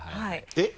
えっ？